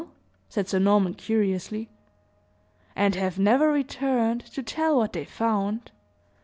said Sir Norman, curiously. "And have never returned to tell what they found!"